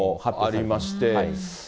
ありまして。